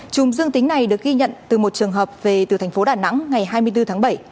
chùm dương tính này được ghi nhận từ một trường hợp về từ thành phố đà nẵng ngày hai mươi bốn tháng bảy